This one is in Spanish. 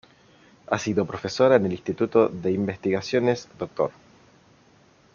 Ha sido profesora en el Instituto de Investigaciones Dr.